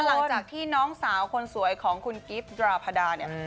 หลังจากที่น้องสาวคนสวยของคุณกิฟต์ดราพดาเนี่ย